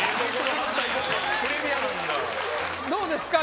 どうですか？